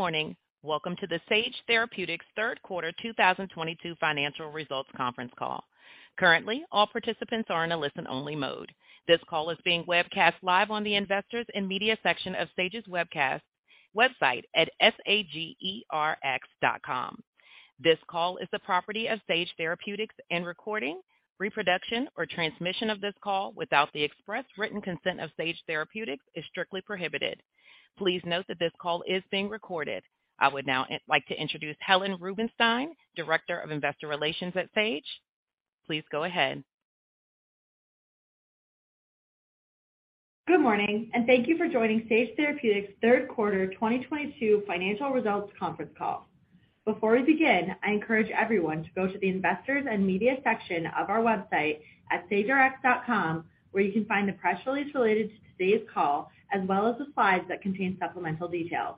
Good morning. Welcome to the Sage Therapeutics third quarter 2022 financial results conference call. Currently, all participants are in a listen-only mode. This call is being webcast live on the Investors and Media section of Sage's website at sagerx.com. This call is the property of Sage Therapeutics, and recording, reproduction or transmission of this call without the express written consent of Sage Therapeutics is strictly prohibited. Please note that this call is being recorded. I would now like to introduce Helen Rubinstein, Director of Investor Relations at Sage. Please go ahead. Good morning. Thank you for joining Sage Therapeutics third quarter 2022 financial results conference call. Before we begin, I encourage everyone to go to the Investors and Media section of our website at sagerx.com, where you can find the press release related to today's call, as well as the slides that contain supplemental details.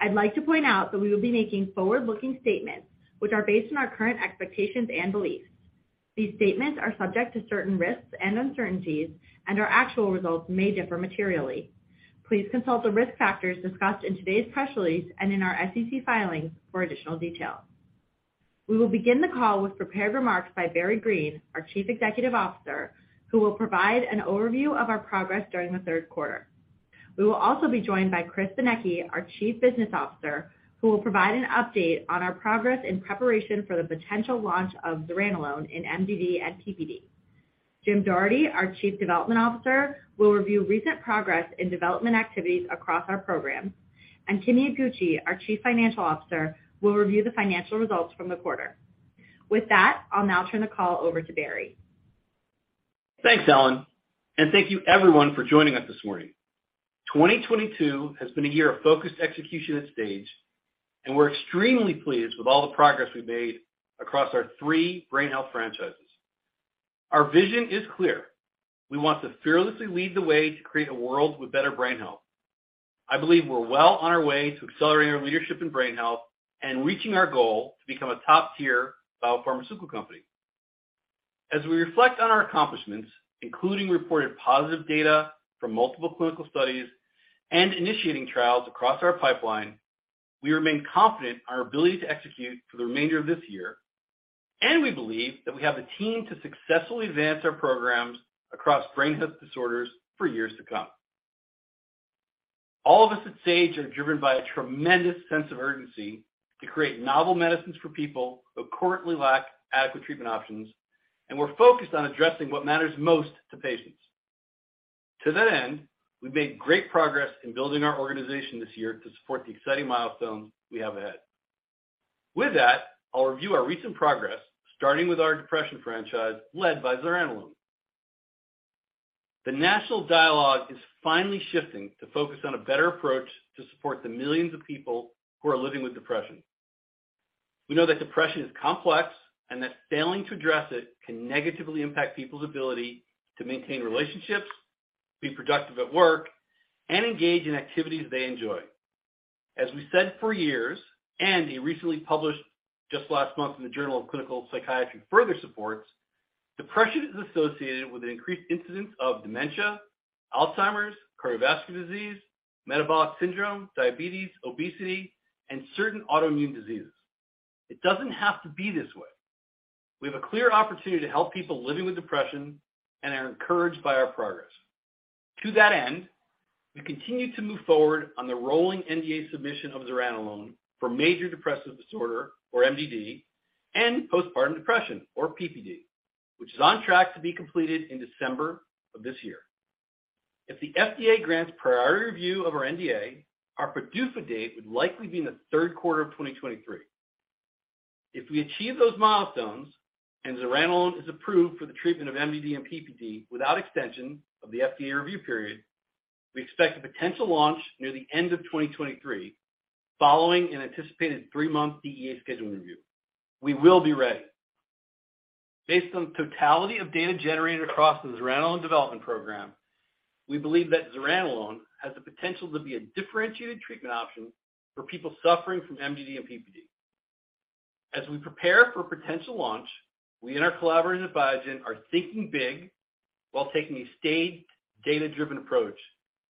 I'd like to point out that we will be making forward-looking statements, which are based on our current expectations and beliefs. These statements are subject to certain risks and uncertainties, and our actual results may differ materially. Please consult the risk factors discussed in today's press release and in our SEC filings for additional details. We will begin the call with prepared remarks by Barry Greene, our Chief Executive Officer, who will provide an overview of our progress during the third quarter. We will also be joined by Chris Benecchi, our Chief Business Officer, who will provide an update on our progress and preparation for the potential launch of zuranolone in MDD and PPD. Jim Doherty, our Chief Development Officer, will review recent progress in development activities across our programs. Kimi Iguchi, our Chief Financial Officer, will review the financial results from the quarter. With that, I'll now turn the call over to Barry. Thanks, Helen. Thank you everyone for joining us this morning. 2022 has been a year of focused execution at Sage, and we're extremely pleased with all the progress we've made across our three brain health franchises. Our vision is clear. We want to fearlessly lead the way to create a world with better brain health. I believe we're well on our way to accelerating our leadership in brain health and reaching our goal to become a top-tier biopharmaceutical company. As we reflect on our accomplishments, including reported positive data from multiple clinical studies and initiating trials across our pipeline, we remain confident in our ability to execute for the remainder of this year, and we believe that we have the team to successfully advance our programs across brain health disorders for years to come. All of us at Sage are driven by a tremendous sense of urgency to create novel medicines for people who currently lack adequate treatment options, and we're focused on addressing what matters most to patients. To that end, we've made great progress in building our organization this year to support the exciting milestones we have ahead. With that, I'll review our recent progress, starting with our depression franchise led by zuranolone. The national dialogue is finally shifting to focus on a better approach to support the millions of people who are living with depression. We know that depression is complex and that failing to address it can negatively impact people's ability to maintain relationships, be productive at work, and engage in activities they enjoy. As we said for years, and a recently published just last month in The Journal of Clinical Psychiatry further supports, depression is associated with an increased incidence of dementia, Alzheimer's, cardiovascular disease, metabolic syndrome, diabetes, obesity, and certain autoimmune diseases. It doesn't have to be this way. We have a clear opportunity to help people living with depression and are encouraged by our progress. To that end, we continue to move forward on the rolling NDA submission of zuranolone for major depressive disorder, or MDD, and postpartum depression, or PPD, which is on track to be completed in December of this year. If the FDA grants priority review of our NDA, our PDUFA date would likely be in the third quarter of 2023. If we achieve those milestones and zuranolone is approved for the treatment of MDD and PPD without extension of the FDA review period, we expect a potential launch near the end of 2023, following an anticipated three-month DEA scheduling review. We will be ready. Based on the totality of data generated across the zuranolone development program, we believe that zuranolone has the potential to be a differentiated treatment option for people suffering from MDD and PPD. As we prepare for potential launch, we and our collaborators at Biogen are thinking big while taking a stayed data-driven approach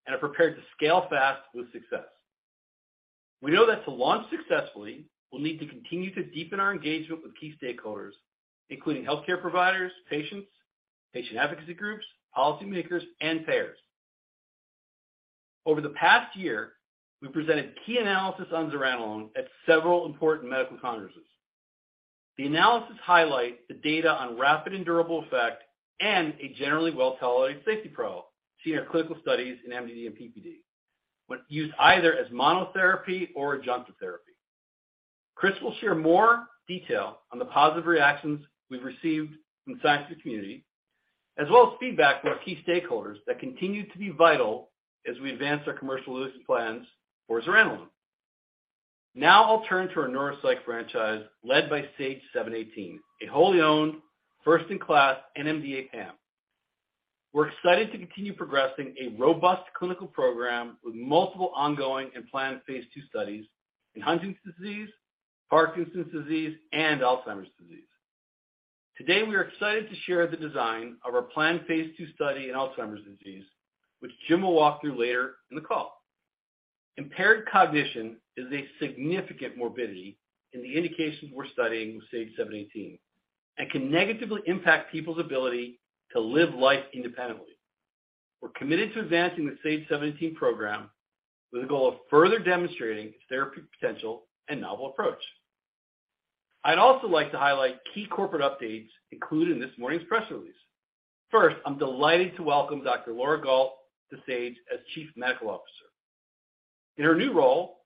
and are prepared to scale fast with success. We know that to launch successfully, we'll need to continue to deepen our engagement with key stakeholders, including healthcare providers, patients, patient advocacy groups, policymakers, and payers. Over the past year, we've presented key analysis on zuranolone at several important medical congresses. The analysis highlights the data on rapid and durable effect and a generally well-tolerated safety profile seen in our clinical studies in MDD and PPD, when used either as monotherapy or adjunctive therapy. Chris will share more detail on the positive reactions we've received from the scientific community, as well as feedback from our key stakeholders that continue to be vital as we advance our commercialization plans for zuranolone. I'll turn to our neuropsych franchise led by SAGE-718, a wholly owned first-in-class NMDA-PAM. We're excited to continue progressing a robust clinical program with multiple ongoing and planned phase II studies in Huntington's disease, Parkinson's disease, and Alzheimer's disease. Today, we are excited to share the design of our planned Phase II study in Alzheimer's disease, which Jim will walk through later in the call. Impaired cognition is a significant morbidity in the indications we're studying with SAGE-718 and can negatively impact people's ability to live life independently. We're committed to advancing the SAGE-718 program with the goal of further demonstrating its therapeutic potential and novel approach. I'd also like to highlight key corporate updates included in this morning's press release. First, I'm delighted to welcome Dr. Laura Gault to Sage as Chief Medical Officer. In her new role,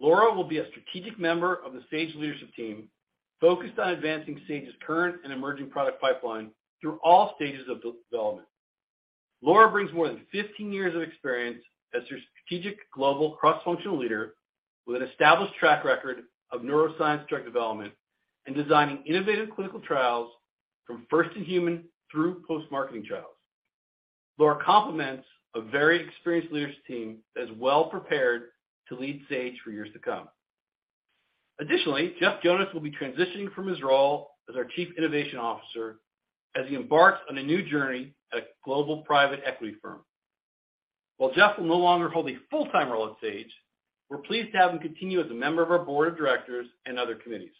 Laura will be a strategic member of the Sage leadership team, focused on advancing Sage's current and emerging product pipeline through all stages of development. Laura brings more than 15 years of experience as a strategic global cross-functional leader with an established track record of neuroscience drug development and designing innovative clinical trials from first-in-human through post-marketing trials. Laura complements a very experienced leadership team that is well prepared to lead Sage for years to come. Additionally, Jeff Jonas will be transitioning from his role as our Chief Innovation Officer as he embarks on a new journey at a global private equity firm. While Jeff will no longer hold a full-time role at Sage, we're pleased to have him continue as a member of our board of directors and other committees.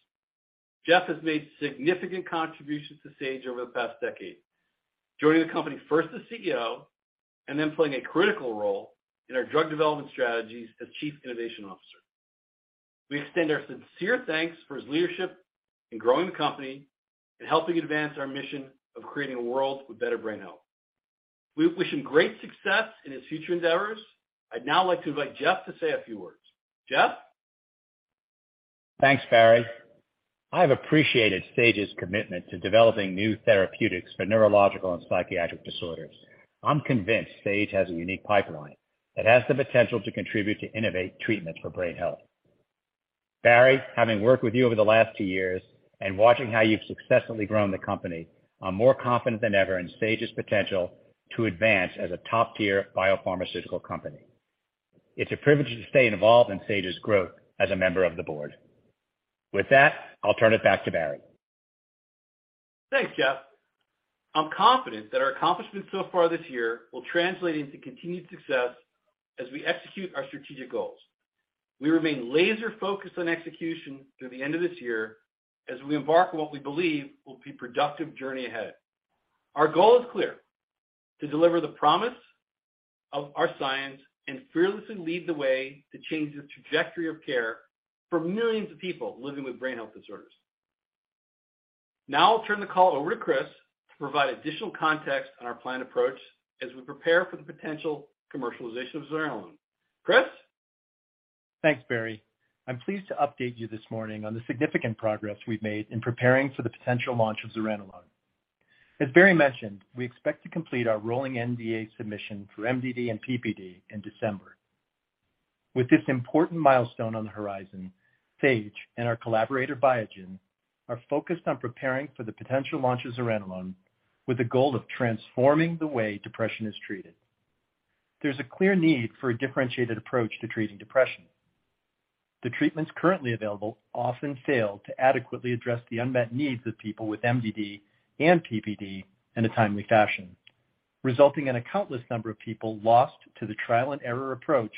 Jeff has made significant contributions to Sage over the past decade, joining the company first as CEO and then playing a critical role in our drug development strategies as Chief Innovation Officer. We extend our sincere thanks for his leadership in growing the company and helping advance our mission of creating a world with better brain health. We wish him great success in his future endeavors. I'd now like to invite Jeff to say a few words. Jeff? Thanks, Barry. I've appreciated Sage's commitment to developing new therapeutics for neurological and psychiatric disorders. I'm convinced Sage has a unique pipeline that has the potential to contribute to innovative treatments for brain health. Barry, having worked with you over the last two years and watching how you've successfully grown the company, I'm more confident than ever in Sage's potential to advance as a top-tier biopharmaceutical company. It's a privilege to stay involved in Sage's growth as a member of the board. With that, I'll turn it back to Barry. Thanks, Jeff. I'm confident that our accomplishments so far this year will translate into continued success as we execute our strategic goals. We remain laser-focused on execution through the end of this year as we embark on what we believe will be productive journey ahead. Our goal is clear: To deliver the promise of our science and fearlessly lead the way to change the trajectory of care for millions of people living with brain health disorders. Now I'll turn the call over to Chris to provide additional context on our planned approach as we prepare for the potential commercialization of zuranolone. Chris? Thanks, Barry. I'm pleased to update you this morning on the significant progress we've made in preparing for the potential launch of zuranolone. As Barry mentioned, we expect to complete our rolling NDA submission for MDD and PPD in December. With this important milestone on the horizon, Sage and our collaborator, Biogen, are focused on preparing for the potential launch of zuranolone with the goal of transforming the way depression is treated. There's a clear need for a differentiated approach to treating depression. The treatments currently available often fail to adequately address the unmet needs of people with MDD and PPD in a timely fashion, resulting in a countless number of people lost to the trial-and-error approach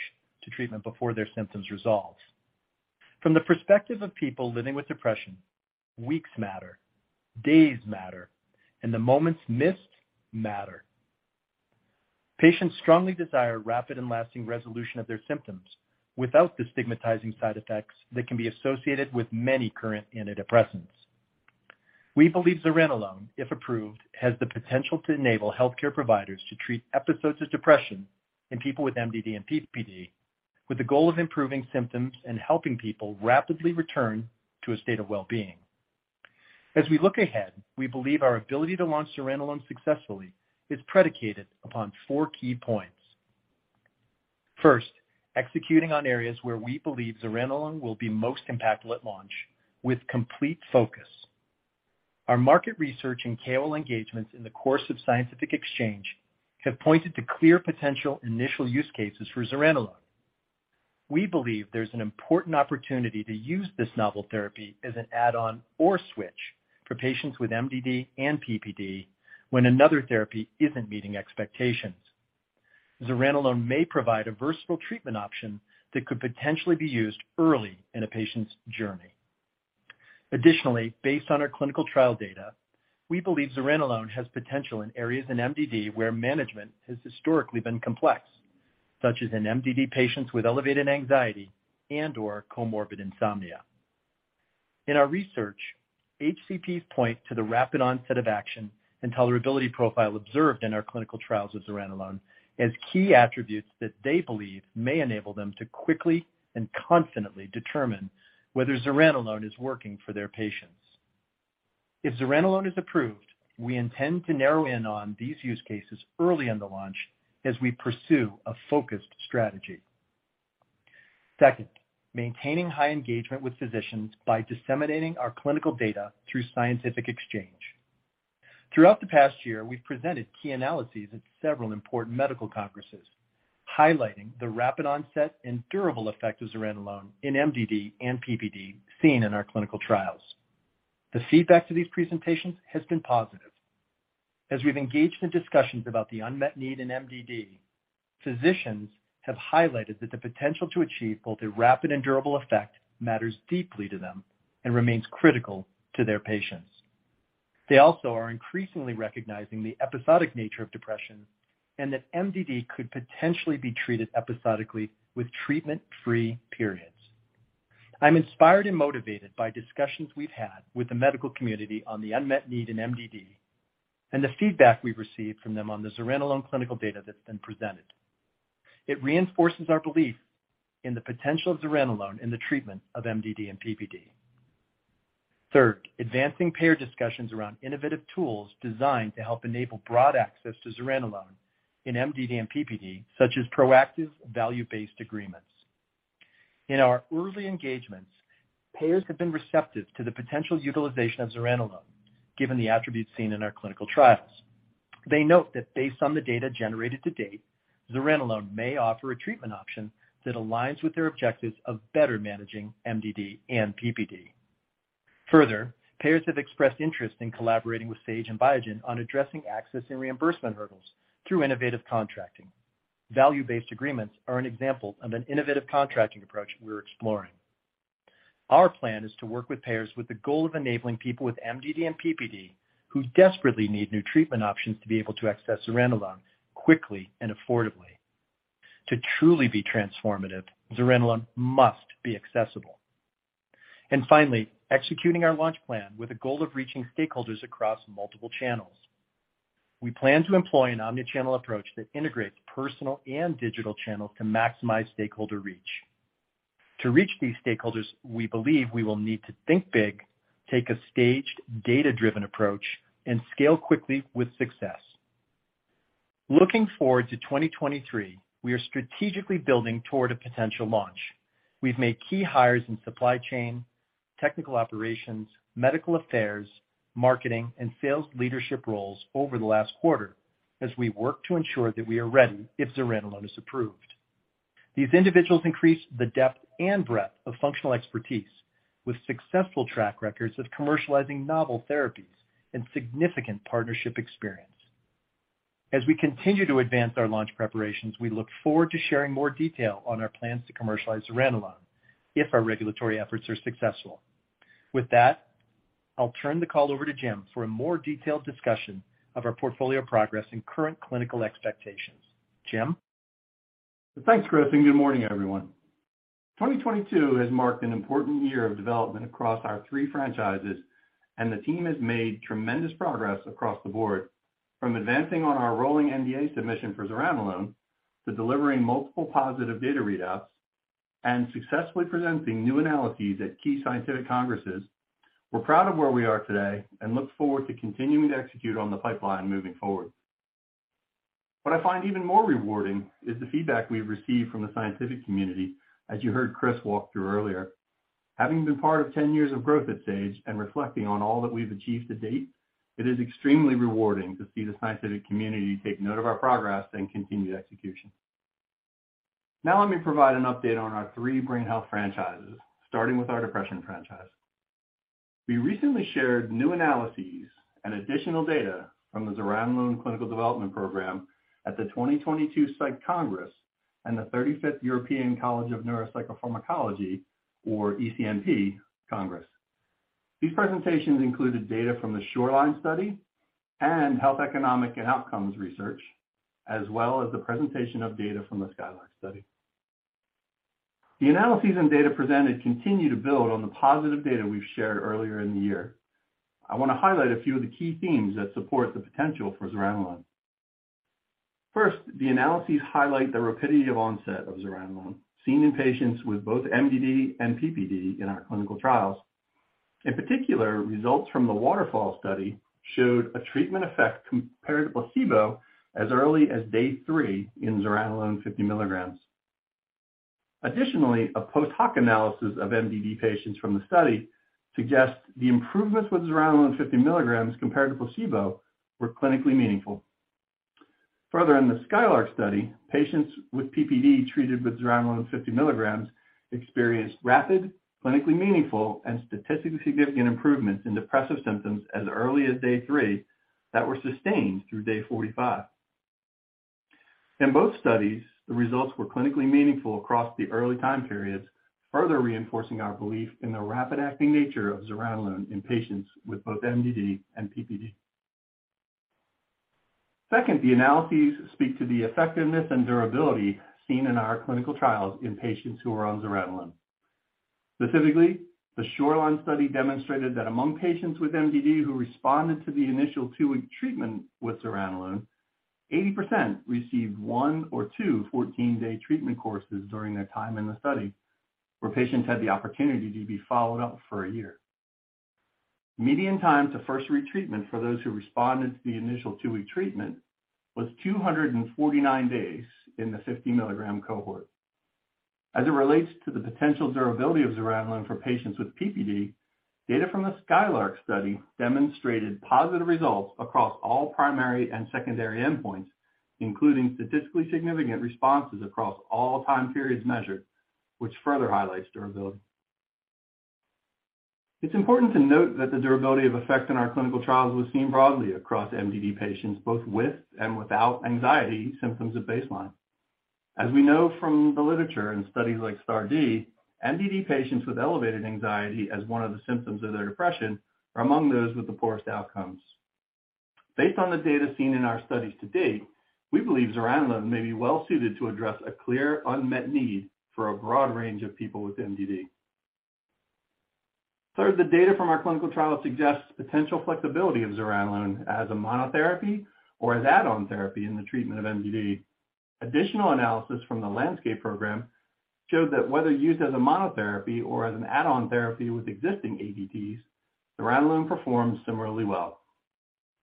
to treatment before their symptoms resolve. From the perspective of people living with depression, weeks matter, days matter, and the moments missed matter. Patients strongly desire rapid and lasting resolution of their symptoms without the stigmatizing side effects that can be associated with many current antidepressants. We believe zuranolone, if approved, has the potential to enable healthcare providers to treat episodes of depression in people with MDD and PPD with the goal of improving symptoms and helping people rapidly return to a state of wellbeing. As we look ahead, we believe our ability to launch zuranolone successfully is predicated upon four key points. First, executing on areas where we believe zuranolone will be most impactful at launch with complete focus. Our market research and KOL engagements in the course of scientific exchange have pointed to clear potential initial use cases for zuranolone. We believe there's an important opportunity to use this novel therapy as an add-on or switch for patients with MDD and PPD when another therapy isn't meeting expectations. Zuranolone may provide a versatile treatment option that could potentially be used early in a patient's journey. Additionally, based on our clinical trial data, we believe zuranolone has potential in areas in MDD where management has historically been complex, such as in MDD patients with elevated anxiety and/or comorbid insomnia. In our research, HCPs point to the rapid onset of action and tolerability profile observed in our clinical trials of zuranolone as key attributes that they believe may enable them to quickly and confidently determine whether zuranolone is working for their patients. If zuranolone is approved, we intend to narrow in on these use cases early in the launch as we pursue a focused strategy. Second, maintaining high engagement with physicians by disseminating our clinical data through scientific exchange. Throughout the past year, we've presented key analyses at several important medical congresses, highlighting the rapid onset and durable effect of zuranolone in MDD and PPD seen in our clinical trials. The feedback to these presentations has been positive. As we've engaged in discussions about the unmet need in MDD, physicians have highlighted that the potential to achieve both a rapid and durable effect matters deeply to them and remains critical to their patients. They also are increasingly recognizing the episodic nature of depression, and that MDD could potentially be treated episodically with treatment-free periods. I'm inspired and motivated by discussions we've had with the medical community on the unmet need in MDD, and the feedback we've received from them on the zuranolone clinical data that's been presented. It reinforces our belief in the potential of zuranolone in the treatment of MDD and PPD. Third, advancing payer discussions around innovative tools designed to help enable broad access to zuranolone in MDD and PPD, such as proactive value-based agreements. In our early engagements, payers have been receptive to the potential utilization of zuranolone, given the attributes seen in our clinical trials. They note that based on the data generated to date, zuranolone may offer a treatment option that aligns with their objectives of better managing MDD and PPD. Further, payers have expressed interest in collaborating with Sage and Biogen on addressing access and reimbursement hurdles through innovative contracting. Value-based agreements are an example of an innovative contracting approach we're exploring. Our plan is to work with payers with the goal of enabling people with MDD and PPD who desperately need new treatment options to be able to access zuranolone quickly and affordably. To truly be transformative, zuranolone must be accessible. Finally, executing our launch plan with a goal of reaching stakeholders across multiple channels. We plan to employ an omni-channel approach that integrates personal and digital channels to maximize stakeholder reach. To reach these stakeholders, we believe we will need to think big, take a staged data-driven approach, and scale quickly with success. Looking forward to 2023, we are strategically building toward a potential launch. We've made key hires in supply chain, technical operations, medical affairs, marketing, and sales leadership roles over the last quarter as we work to ensure that we are ready if zuranolone is approved. These individuals increase the depth and breadth of functional expertise with successful track records of commercializing novel therapies and significant partnership experience. As we continue to advance our launch preparations, we look forward to sharing more detail on our plans to commercialize zuranolone if our regulatory efforts are successful. With that, I'll turn the call over to Jim for a more detailed discussion of our portfolio progress and current clinical expectations. Jim? Thanks, Chris, and good morning, everyone. 2022 has marked an important year of development across our three franchises, and the team has made tremendous progress across the board. From advancing on our rolling NDA submission for zuranolone to delivering multiple positive data readouts and successfully presenting new analyses at key scientific congresses, we're proud of where we are today and look forward to continuing to execute on the pipeline moving forward. What I find even more rewarding is the feedback we've received from the scientific community, as you heard Chris walk through earlier. Having been part of 10 years of growth at Sage and reflecting on all that we've achieved to date, it is extremely rewarding to see the scientific community take note of our progress and continued execution. Now let me provide an update on our three brain health franchises, starting with our depression franchise. We recently shared new analyses and additional data from the zuranolone clinical development program at the 2022 Psych Congress and the 35th European College of Neuropsychopharmacology, or ECNP Congress. These presentations included data from the SHORELINE study and health economic and outcomes research, as well as the presentation of data from the SKYLARK study. The analyses and data presented continue to build on the positive data we've shared earlier in the year. I want to highlight a few of the key themes that support the potential for zuranolone. First, the analyses highlight the rapidity of onset of zuranolone seen in patients with both MDD and PPD in our clinical trials. In particular, results from the WATERFALL study showed a treatment effect compared to placebo as early as day three in zuranolone 50 milligrams. A post-hoc analysis of MDD patients from the study suggests the improvements with zuranolone 50 milligrams compared to placebo were clinically meaningful. Further, in the SKYLARK study, patients with PPD treated with zuranolone 50 milligrams experienced rapid, clinically meaningful, and statistically significant improvements in depressive symptoms as early as day three that were sustained through day 45. In both studies, the results were clinically meaningful across the early time periods, further reinforcing our belief in the rapid-acting nature of zuranolone in patients with both MDD and PPD. The analyses speak to the effectiveness and durability seen in our clinical trials in patients who are on zuranolone. Specifically, the SHORELINE study demonstrated that among patients with MDD who responded to the initial two-week treatment with zuranolone, 80% received one or two 14-day treatment courses during their time in the study, where patients had the opportunity to be followed up for one year. Median time to first retreatment for those who responded to the initial two-week treatment was 249 days in the 50 milligram cohort. As it relates to the potential durability of zuranolone for patients with PPD, data from the SKYLARK study demonstrated positive results across all primary and secondary endpoints, including statistically significant responses across all time periods measured, which further highlights durability. It's important to note that the durability of effect in our clinical trials was seen broadly across MDD patients, both with and without anxiety symptoms at baseline. As we know from the literature in studies like STAR*D, MDD patients with elevated anxiety as one of the symptoms of their depression are among those with the poorest outcomes. Based on the data seen in our studies to date, we believe zuranolone may be well suited to address a clear unmet need for a broad range of people with MDD. The data from our clinical trials suggests potential flexibility of zuranolone as a monotherapy or as add-on therapy in the treatment of MDD. Additional analysis from the LANDSCAPE program showed that whether used as a monotherapy or as an add-on therapy with existing ADTs, zuranolone performs similarly well.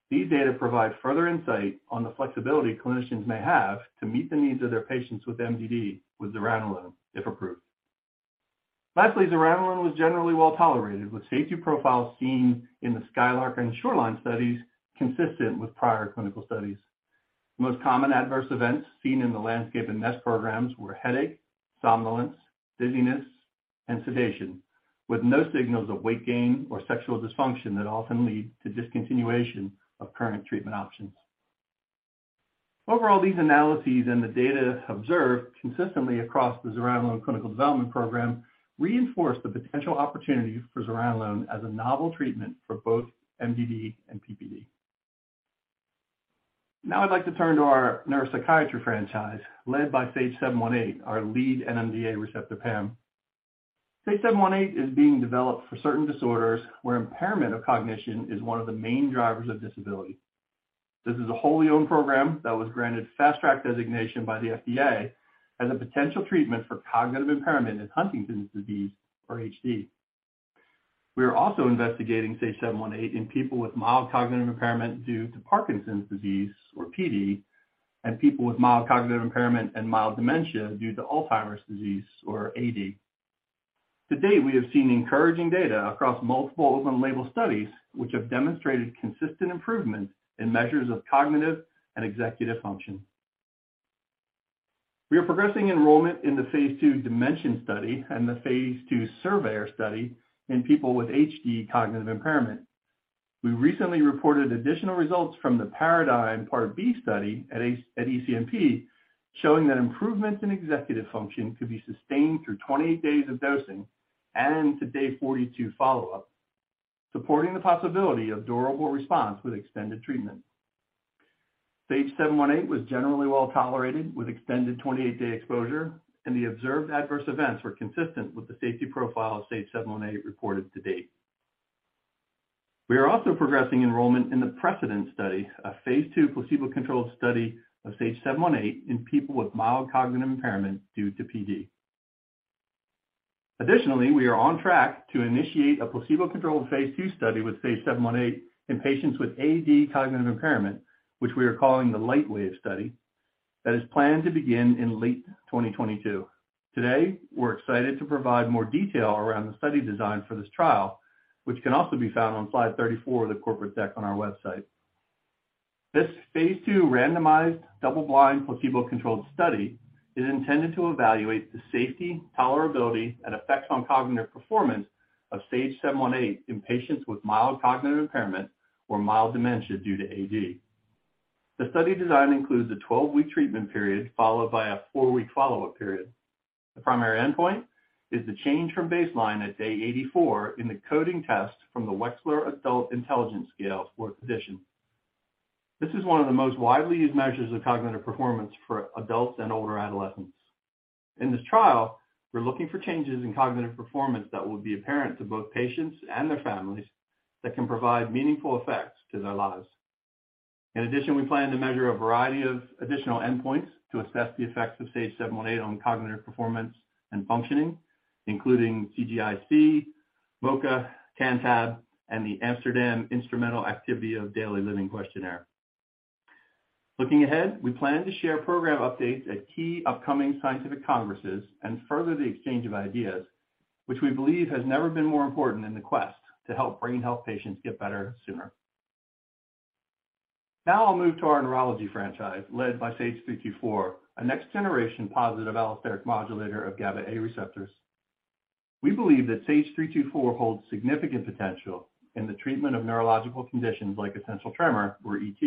These data provide further insight on the flexibility clinicians may have to meet the needs of their patients with MDD with zuranolone, if approved. Lastly, zuranolone was generally well-tolerated, with safety profiles seen in the SKYLARK and SHORELINE studies consistent with prior clinical studies. The most common adverse events seen in the LANDSCAPE and NEST programs were headache, somnolence, dizziness, and sedation, with no signals of weight gain or sexual dysfunction that often lead to discontinuation of current treatment options. Overall, these analyses and the data observed consistently across the zuranolone clinical development program reinforce the potential opportunities for zuranolone as a novel treatment for both MDD and PPD. Now I'd like to turn to our neuropsychiatry franchise, led by SAGE-718, our lead NMDA receptor PAM. SAGE-718 is being developed for certain disorders where impairment of cognition is one of the main drivers of disability. This is a wholly owned program that was granted Fast Track designation by the FDA as a potential treatment for cognitive impairment in Huntington's disease, or HD. We are also investigating SAGE-718 in people with mild cognitive impairment due to Parkinson's disease, or PD, and people with mild cognitive impairment and mild dementia due to Alzheimer's disease, or AD. To date, we have seen encouraging data across multiple open label studies, which have demonstrated consistent improvement in measures of cognitive and executive function. We are progressing enrollment in the phase II DIMENSION study and the phase II SURVEYOR study in people with HD cognitive impairment. We recently reported additional results from the PARADIGM Part B study at ECNP, showing that improvements in executive function could be sustained through 28 days of dosing and to day 42 follow-up, supporting the possibility of durable response with extended treatment. SAGE-718 was generally well-tolerated with extended 28-day exposure, and the observed adverse events were consistent with the safety profile of SAGE-718 reported to date. We are also progressing enrollment in the PRECEDENT study, a phase II placebo-controlled study of SAGE-718 in people with mild cognitive impairment due to PD. We are on track to initiate a placebo-controlled phase II study with SAGE-718 in patients with AD cognitive impairment, which we are calling the LIGHTWAVE study, that is planned to begin in late 2022. Today, we're excited to provide more detail around the study design for this trial, which can also be found on slide 34 of the corporate deck on our website. This phase II randomized, double-blind, placebo-controlled study is intended to evaluate the safety, tolerability, and effects on cognitive performance of SAGE-718 in patients with mild cognitive impairment or mild dementia due to AD. The study design includes a 12-week treatment period followed by a four-week follow-up period. The primary endpoint is the change from baseline at day 84 in the coding test from the Wechsler Adult Intelligence Scale, Fourth Edition. This is one of the most widely used measures of cognitive performance for adults and older adolescents. In this trial, we're looking for changes in cognitive performance that will be apparent to both patients and their families that can provide meaningful effects to their lives. We plan to measure a variety of additional endpoints to assess the effects of SAGE-718 on cognitive performance and functioning, including CGIC, MoCA, CANTAB, and the Amsterdam Instrumental Activities of Daily Living questionnaire. Looking ahead, we plan to share program updates at key upcoming scientific congresses and further the exchange of ideas, which we believe has never been more important in the quest to help brain health patients get better sooner. I'll move to our neurology franchise, led by SAGE-324, a next-generation positive allosteric modulator of GABA A receptors. We believe that SAGE-324 holds significant potential in the treatment of neurological conditions like essential tremor, or ET,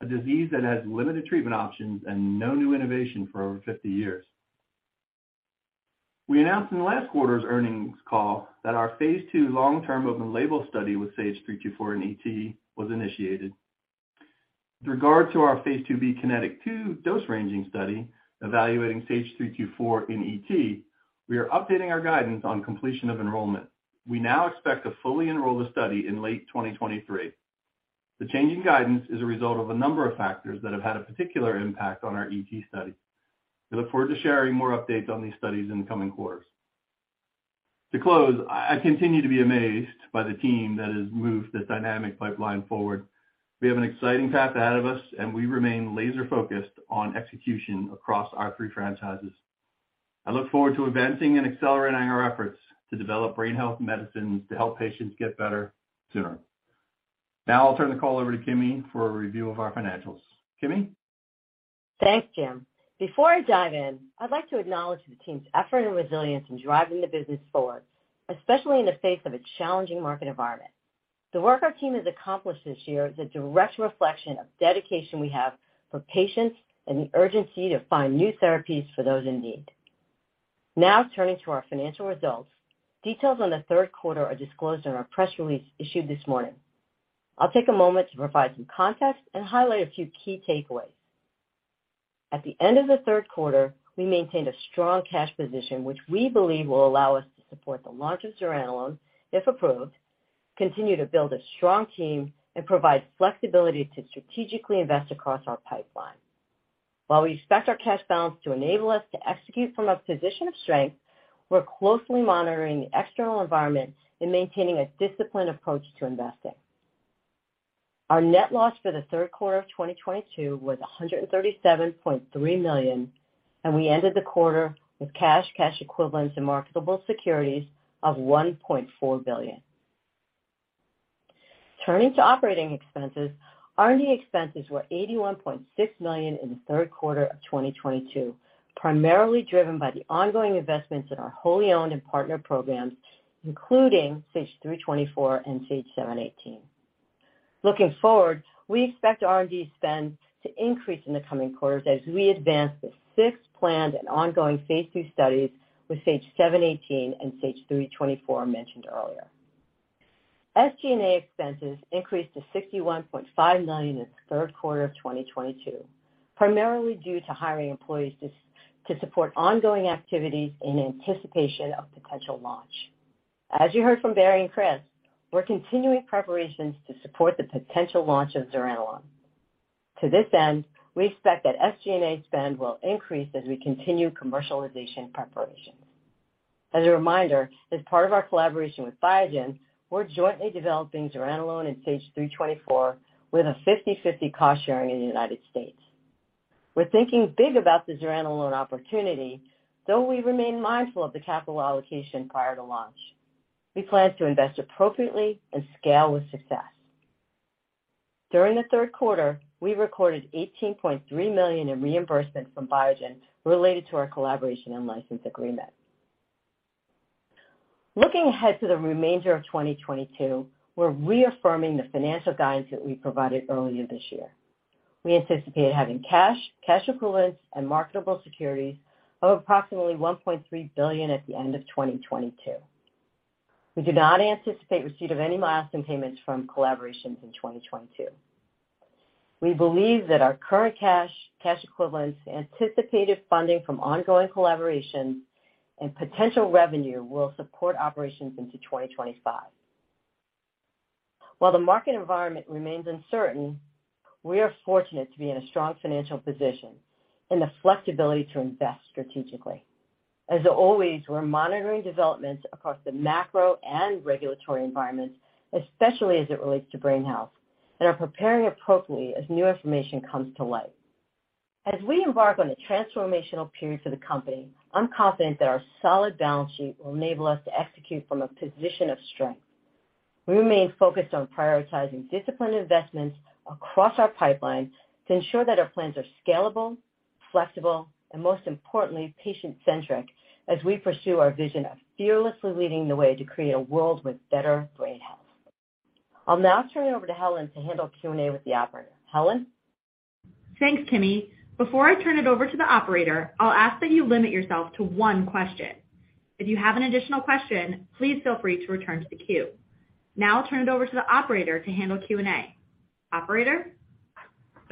a disease that has limited treatment options and no new innovation for over 50 years. We announced in last quarter's earnings call that our phase II long-term open-label study with SAGE-324 in ET was initiated. With regard to our phase II-B KINETIC 2 dose-ranging study evaluating SAGE-324 in ET, we are updating our guidance on completion of enrollment. We now expect to fully enroll the study in late 2023. The change in guidance is a result of a number of factors that have had a particular impact on our ET study. We look forward to sharing more updates on these studies in the coming quarters. To close, I continue to be amazed by the team that has moved the Dynamic pipeline forward. We have an exciting path ahead of us, we remain laser-focused on execution across our three franchises. I look forward to advancing and accelerating our efforts to develop brain health medicines to help patients get better sooner. I'll turn the call over to Kimi for a review of our financials. Kimi? Thanks, Jim. Before I dive in, I'd like to acknowledge the team's effort and resilience in driving the business forward, especially in the face of a challenging market environment. The work our team has accomplished this year is a direct reflection of dedication we have for patients and the urgency to find new therapies for those in need. Turning to our financial results, details on the third quarter are disclosed in our press release issued this morning. I'll take a moment to provide some context and highlight a few key takeaways. At the end of the third quarter, we maintained a strong cash position, which we believe will allow us to support the launch of zuranolone, if approved, continue to build a strong team, provide flexibility to strategically invest across our pipeline. While we expect our cash balance to enable us to execute from a position of strength, we're closely monitoring the external environment, maintaining a disciplined approach to investing. Our net loss for the third quarter of 2022 was $137.3 million, we ended the quarter with cash equivalents, and marketable securities of $1.4 billion. Turning to operating expenses, R&D expenses were $81.6 million in the third quarter of 2022, primarily driven by the ongoing investments in our wholly owned and partner programs, including SAGE-324 and SAGE-718. Looking forward, we expect R&D spend to increase in the coming quarters as we advance the six planned and ongoing phase II studies with SAGE-718 and SAGE-324 mentioned earlier. SG&A expenses increased to $61.5 million in the third quarter of 2022, primarily due to hiring employees to support ongoing activities in anticipation of potential launch. As you heard from Barry and Chris, we're continuing preparations to support the potential launch of zuranolone. To this end, we expect that SG&A spend will increase as we continue commercialization preparations. As a reminder, as part of our collaboration with Biogen, we're jointly developing zuranolone and SAGE-324 with a 50/50 cost-sharing in the U.S. We're thinking big about the zuranolone opportunity, though we remain mindful of the capital allocation prior to launch. We plan to invest appropriately and scale with success. During the third quarter, we recorded $18.3 million in reimbursement from Biogen related to our collaboration and license agreement. Looking ahead to the remainder of 2022, we're reaffirming the financial guidance that we provided earlier this year. We anticipate having cash equivalents, and marketable securities of approximately $1.3 billion at the end of 2022. We do not anticipate receipt of any milestone payments from collaborations in 2022. We believe that our current cash equivalents, anticipated funding from ongoing collaborations, and potential revenue will support operations into 2025. While the market environment remains uncertain, we are fortunate to be in a strong financial position and the flexibility to invest strategically. As always, we're monitoring developments across the macro and regulatory environments, especially as it relates to brain health, and are preparing appropriately as new information comes to light. As we embark on a transformational period for the company, I'm confident that our solid balance sheet will enable us to execute from a position of strength. We remain focused on prioritizing disciplined investments across our pipeline to ensure that our plans are scalable, flexible, and most importantly, patient-centric as we pursue our vision of fearlessly leading the way to create a world with better brain health. I'll now turn it over to Helen to handle Q&A with the operator. Helen? Thanks, Kimi. Before I turn it over to the operator, I'll ask that you limit yourself to one question. If you have an additional question, please feel free to return to the queue. Now I'll turn it over to the operator to handle Q&A. Operator?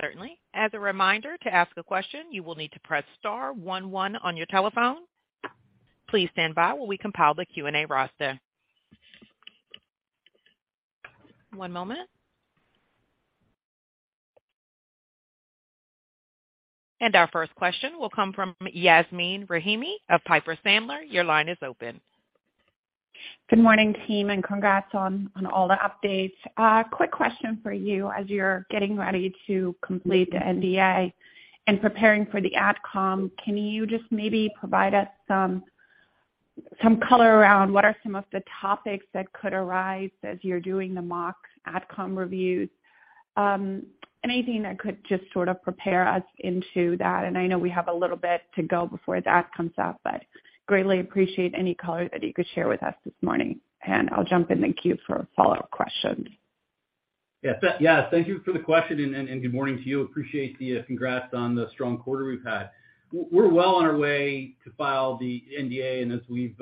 Certainly. As a reminder, to ask a question, you will need to press star 11 on your telephone. Please stand by while we compile the Q&A roster. One moment. Our first question will come from Yasmeen Rahimi of Piper Sandler. Your line is open. Good morning, team. Congrats on all the updates. A quick question for you as you're getting ready to complete the NDA and preparing for the AdCom. Can you just maybe provide us some color around what are some of the topics that could arise as you're doing the mock AdCom reviews? Anything that could just sort of prepare us into that. I know we have a little bit to go before that comes up, but greatly appreciate any color that you could share with us this morning. I'll jump in the queue for follow-up questions. Thank you for the question. Good morning to you. Appreciate the congrats on the strong quarter we've had. We're well on our way to file the NDA. As we've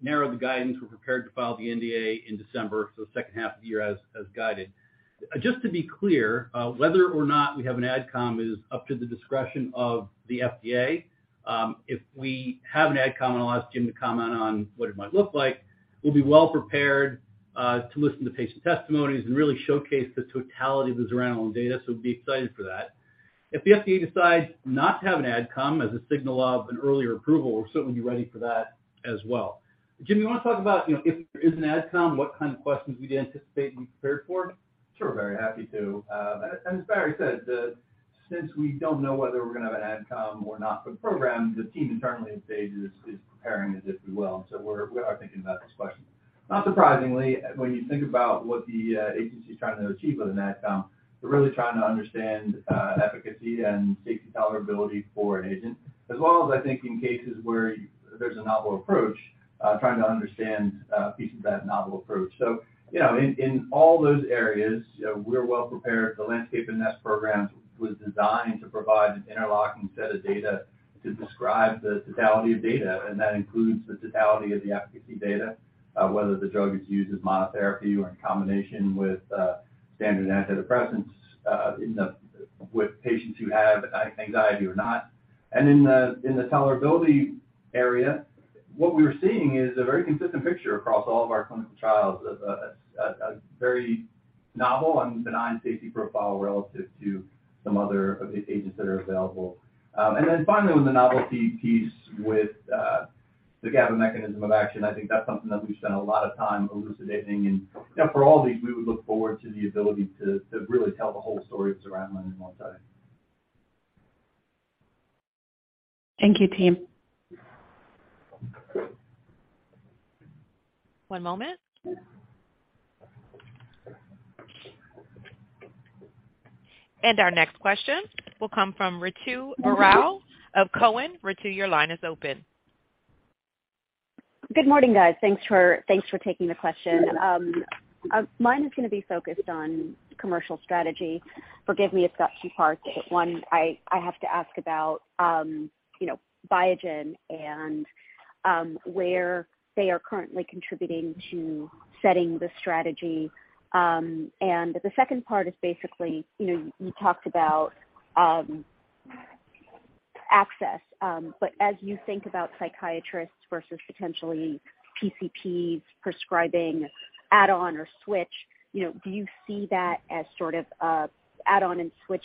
narrowed the guidance, we're prepared to file the NDA in December, so the second half of the year as guided. Just to be clear, whether or not we have an AdCom is up to the discretion of the FDA. If we have an AdCom, I'll ask Jim to comment on what it might look like, we'll be well prepared to listen to patient testimonies and really showcase the totality of the zuranolone data. We'll be excited for that. If the FDA decides not to have an AdCom as a signal of an earlier approval, we'll certainly be ready for that as well. Jim, you want to talk about if there is an AdCom, what kind of questions we'd anticipate and be prepared for? Sure, very happy to. As Barry said, since we don't know whether we're going to have an AdCom or not for the program, the team internally at Sage is preparing as if we will. We are thinking about this question. Not surprisingly, when you think about what the agency's trying to achieve with an AdCom, they're really trying to understand efficacy and safety tolerability for an agent. As well as I think in cases where there's a novel approach, trying to understand pieces of that novel approach. In all those areas, we're well prepared. The LANDSCAPE and NEST programs was designed to provide an interlocking set of data to describe the totality of data, and that includes the totality of the efficacy data, whether the drug is used as monotherapy or in combination with standard antidepressants with patients who have anxiety or not. In the tolerability area, what we were seeing is a very consistent picture across all of our clinical trials of a very novel and benign safety profile relative to some other agents that are available. Then finally, with the novelty piece with the GABA mechanism of action, I think that's something that we've spent a lot of time elucidating and for all these, we would look forward to the ability to really tell the whole story of zuranolone in one setting. Thank you, team. One moment. Our next question will come from Ritu Narain of Cowen. Ritu, your line is open. Good morning, guys. Thanks for taking the question. Mine is going to be focused on commercial strategy. Forgive me, it's got two parts. One, I have to ask about Biogen and where they are currently contributing to setting the strategy. The second part is basically, you talked about access. As you think about psychiatrists versus potentially PCPs prescribing add-on or switch, do you see that as sort of add-on and switch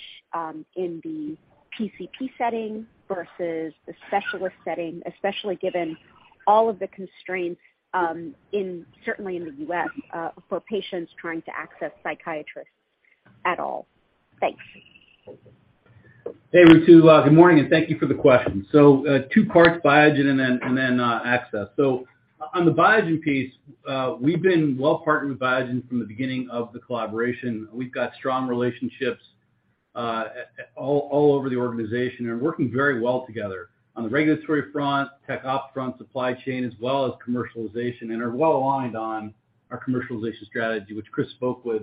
in the PCP setting versus the specialist setting, especially given all of the constraints certainly in the U.S. for patients trying to access psychiatrists at all? Thanks. Hey, Ritu. Good morning, and thank you for the question. Two parts, Biogen and then access. On the Biogen piece, we've been well-partnered with Biogen from the beginning of the collaboration. We've got strong relationships all over the organization and are working very well together on the regulatory front, tech op front, supply chain, as well as commercialization and are well aligned on our commercialization strategy, which Chris spoke with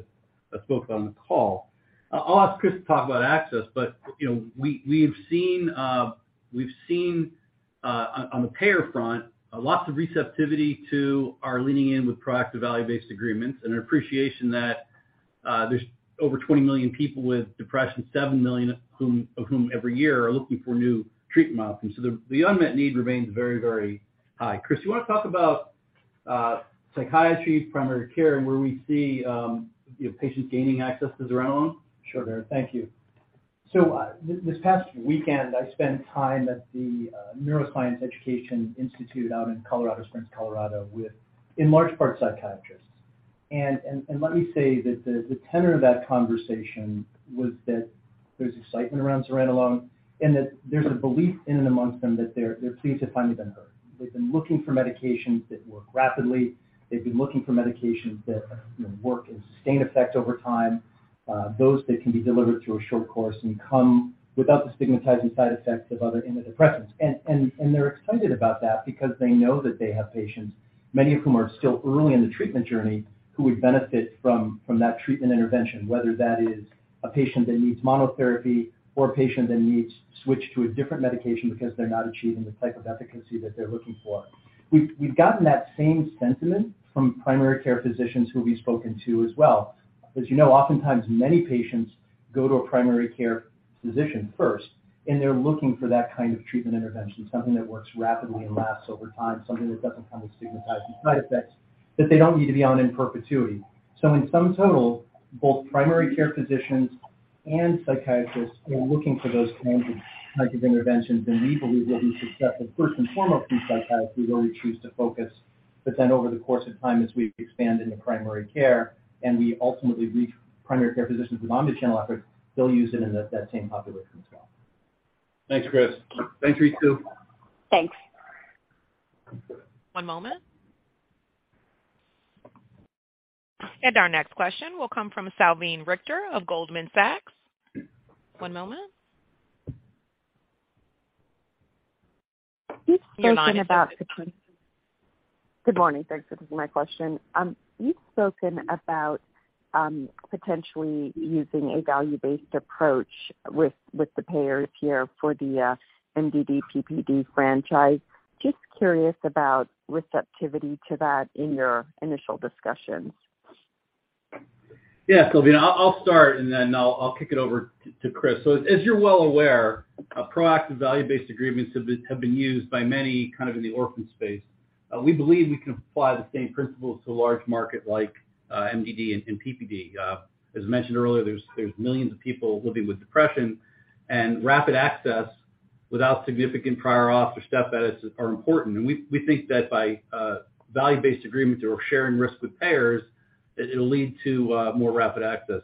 us both on the call. I'll ask Chris to talk about access, but we've seen on the payer front, lots of receptivity to our leaning in with proactive value-based agreements and an appreciation that there's over 20 million people with depression, 7 million of whom every year are looking for new treatment options. The unmet need remains very, very high. Chris, you want to talk about psychiatry, primary care, and where we see patients gaining access to zuranolone? Sure, Barry. Thank you. This past weekend, I spent time at the Neuroscience Education Institute out in Colorado Springs, Colorado, with in large part, psychiatrists. Let me say that the tenor of that conversation was that there's excitement around zuranolone and that there's a belief in and amongst them that they're pleased to finally been heard. They've been looking for medications that work rapidly. They've been looking for medications that work in sustained effect over time. Those that can be delivered through a short course and come without the stigmatizing side effects of other antidepressants. They're excited about that because they know that they have patients, many of whom are still early in the treatment journey, who would benefit from that treatment intervention. Whether that is a patient that needs monotherapy or a patient that needs switch to a different medication because they're not achieving the type of efficacy that they're looking for. We've gotten that same sentiment from primary care physicians who we've spoken to as well. As you know, oftentimes many patients go to a primary care physician first, and they're looking for that kind of treatment intervention, something that works rapidly and lasts over time, something that doesn't come with stigmatizing side effects that they don't need to be on in perpetuity. In sum total, both primary care physicians and psychiatrists are looking for those kinds of interventions. We believe we'll be successful first and foremost in psychiatrists where we choose to focus. Over the course of time as we expand into primary care and we ultimately reach primary care physicians with omni-channel efforts, they'll use it in that same population as well. Thanks, Chris. Thanks, Ritu. Thanks. One moment. Our next question will come from Salveen Richter of Goldman Sachs. One moment. Your line is open. Good morning. Thanks. This is my question. You've spoken about potentially using a value-based approach with the payers here for the MDD, PPD franchise. Just curious about receptivity to that in your initial discussions. Yeah, Salveen, I'll start. I'll kick it over to Chris. As you're well aware, proactive value-based agreements have been used by many kind of in the orphan space. We believe we can apply the same principles to a large market like MDD and PPD. As mentioned earlier, there's millions of people living with depression, and rapid access without significant prior auth or step edits are important. We think that by value-based agreements or sharing risk with payers, it'll lead to more rapid access.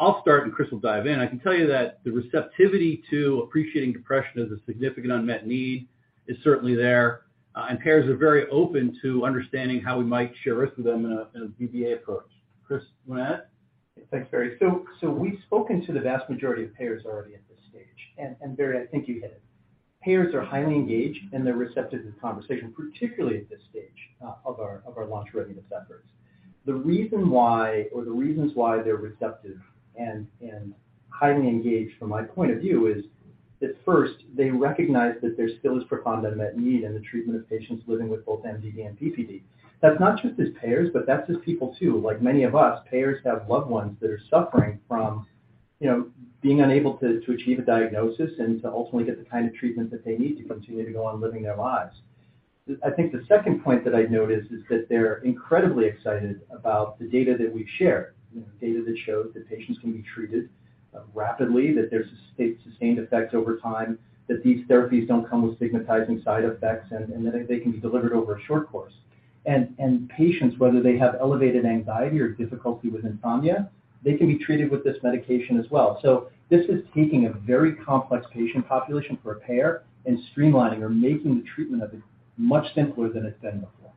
I'll start, and Chris will dive in. I can tell you that the receptivity to appreciating depression as a significant unmet need is certainly there. Payers are very open to understanding how we might share risk with them in a VBA approach. Chris, do you want to add? Thanks, Barry. We've spoken to the vast majority of payers already at this stage. Barry, I think you hit it. Payers are highly engaged, and they're receptive to conversation, particularly at this stage of our launch readiness efforts. The reason why, or the reasons why they're receptive and highly engaged from my point of view is that first, they recognize that there still is profound unmet need in the treatment of patients living with both MDD and PPD. That's not just as payers, but that's as people too. Like many of us, payers have loved ones that are suffering from being unable to achieve a diagnosis and to ultimately get the kind of treatment that they need to continue to go on living their lives. I think the second point that I'd note is that they're incredibly excited about the data that we've shared. Data that shows that patients can be treated rapidly, that there's a sustained effect over time, that these therapies don't come with stigmatizing side effects, that they can be delivered over a short course. Patients, whether they have elevated anxiety or difficulty with insomnia, they can be treated with this medication as well. This is taking a very complex patient population for a payer and streamlining or making the treatment of it much simpler than it's been before.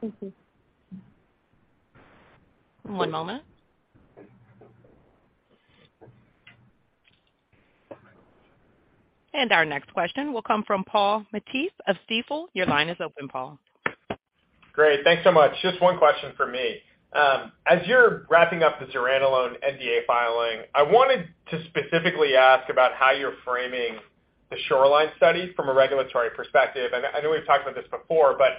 Thank you. One moment. Our next question will come from Paul Matteis of Stifel. Your line is open, Paul. Great. Thanks so much. Just one question from me. As you're wrapping up the zuranolone NDA filing, I wanted to specifically ask about how you're framing the SHORELINE study from a regulatory perspective. I know we've talked about this before, but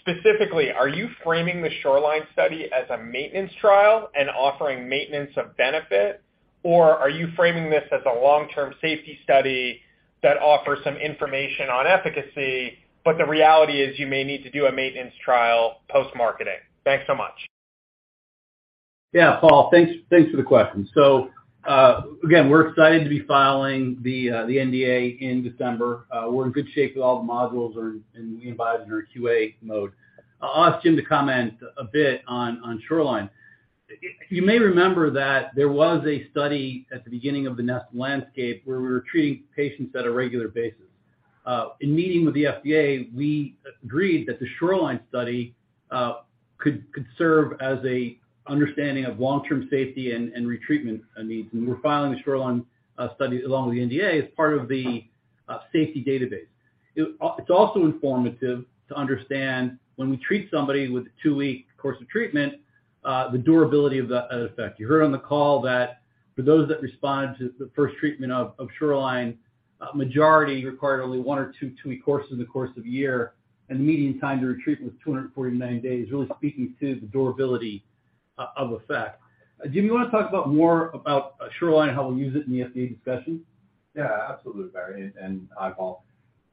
specifically, are you framing the SHORELINE study as a maintenance trial and offering maintenance of benefit? Or are you framing this as a long-term safety study that offers some information on efficacy, but the reality is you may need to do a maintenance trial post-marketing? Thanks so much. Yeah, Paul, thanks for the question. Again, we're excited to be filing the NDA in December. We're in good shape with all the modules, and we advise under a QA mode. I'll ask Jim to comment a bit on SHORELINE. You may remember that there was a study at the beginning of the NEST LANDSCAPE where we were treating patients at a regular basis. In meeting with the FDA, we agreed that the SHORELINE study could serve as a understanding of long-term safety and retreatment needs. We're filing the SHORELINE study along with the NDA as part of the safety database. It's also informative to understand when we treat somebody with a two-week course of treatment, the durability of the effect. You heard on the call that for those that respond to the first treatment of SHORELINE, a majority required only one or two two-week courses in the course of a year, and the median time to retreatment was 249 days, really speaking to the durability of effect. Jim, you want to talk about more about SHORELINE and how we'll use it in the FDA discussion? Absolutely, Barry, and hi, Paul.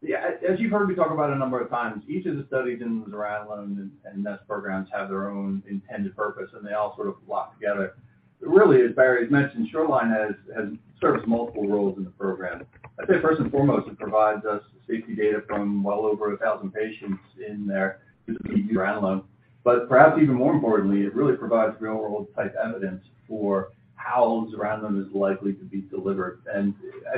As you've heard me talk about a number of times, each of the studies in the zuranolone and NEST programs have their own intended purpose, and they all sort of lock together. Really, as Barry's mentioned, SHORELINE serves multiple roles in the program. I'd say first and foremost, it provides us safety data from well over 1,000 patients in their use of PD zuranolone. Perhaps even more importantly, it really provides real-world type evidence for how zuranolone is likely to be delivered. As